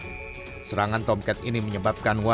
apakah serangan tomcat ini akan menyebabkan penyemprotan